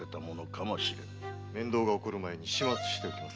面倒が起こる前に始末しておきますか？